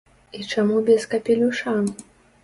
І чаму без капелюша?!